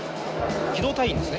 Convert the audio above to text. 機動隊員ですね。